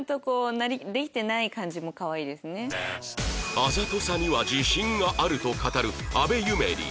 あざとさには自信があると語る阿部夢梨